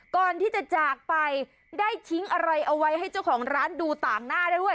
ก่อนที่จะจากไปได้ทิ้งอะไรเอาไว้ให้เจ้าของร้านดูต่างหน้าได้ด้วย